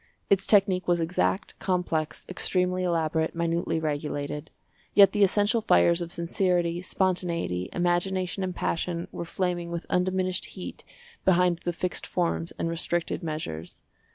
Its technique was exact, complex, extremely elaborate, minutely regulated; yet the essential fires of sincerity, spontaneity, imagination and passion were flaming with undiminished heat behind the fixed forms and restricted measures.